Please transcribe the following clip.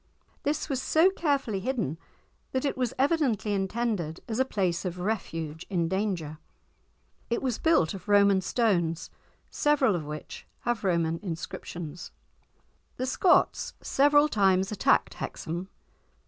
This was so carefully hidden that it was evidently intended as a place of refuge in danger. It was built of Roman stones, several of which have Roman inscriptions. The Scots several times attacked Hexham.